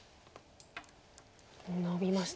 ノビました。